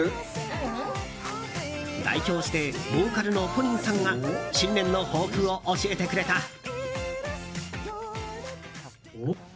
代表してボーカルのＰＯＲＩＮさんが新年の抱負を教えてくれた。